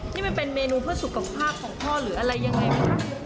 นี่มันเป็นเมนูเพื่อสุขภาพของพ่อหรืออะไรยังไงไหมคะ